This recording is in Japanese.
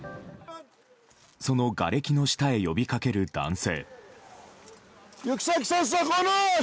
そのがれきの下へ呼びかける男性。